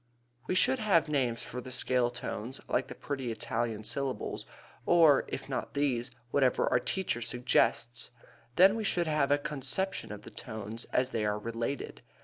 We should have names for the scale tones like the pretty Italian syllables, or, if not these, whatever our teacher suggests. Then we should have a conception of the tones as they are related.